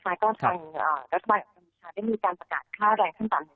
ก็ทางรัฐบาลอัตโนโลยีค่ะได้มีการประกาศค่าแบรนด์ขั้นต่ำ